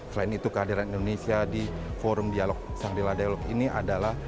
selain itu kehadiran indonesia di forum dialog sang rila dialog ini adalah